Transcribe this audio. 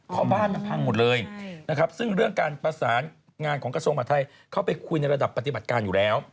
เพราะบ้านมันพังหมดเลยนะครับซึ่งเรื่องการประสานงานของกระทรวงมหาทัยเข้าไปคุยในระดับปฏิบัติการอยู่แล้ว